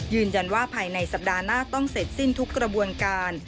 ยืนยันว่าภายในสัปดาห์หน้าต้องเสร็จสิ้นทุกกระบวนการ